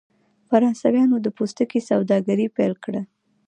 فرانسویانو د پوستکي سوداګري پیل کړه.